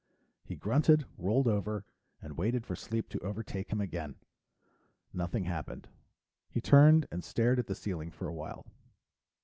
He grunted, rolled over, and waited for sleep to overtake him again. Nothing happened. He turned and stared at the ceiling for a while.